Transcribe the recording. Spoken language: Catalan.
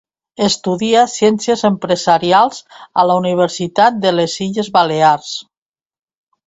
Estudià ciències empresarials a la Universitat de les Illes Balears.